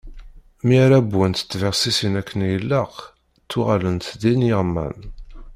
Mi ara wwent tbexsisin akken i ilaq, ttuɣalent d iniɣman.